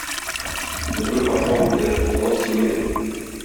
Безнең патша үлде, халык сине көтә.